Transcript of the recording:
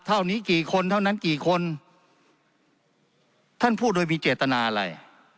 เท่านี้กี่คนเท่านั้นกี่คนท่านพูดโดยมีเจตนาอะไร